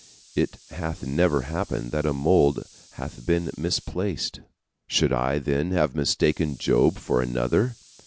It hath never happened that a mould hath been misplaced. Should I, then, have mistaken Job for another?